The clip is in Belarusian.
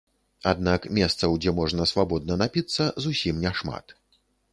Аднак месцаў, дзе можна свабодна напіцца, зусім няшмат.